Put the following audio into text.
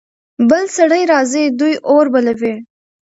بل سړی راځي. دوی اور بلوي.